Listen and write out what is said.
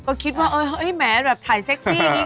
ก็คิดว่าเฮ้ยแหมแบบถ่ายเซ็กซี่นี้